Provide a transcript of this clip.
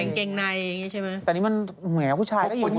แบงกางในแบงงี้ใช่มั้ยแต่นี่มันเหมือนแห่วผู้ชายก็ยินกว่า